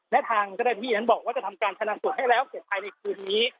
และทางก็ได้แบทวินทร์นั้นบอกว่าจะทำการชนะศุกร์ให้แล้วเก็บภายในคืนนี้